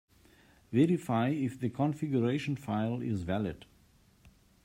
Verify if the configuration file is valid.